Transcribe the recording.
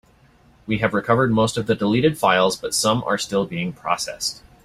We have recovered most of the deleted files, but some are still being processed.